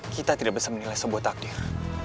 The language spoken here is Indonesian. kita tidak bisa menilai sebuah takdir